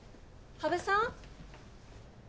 羽生さん？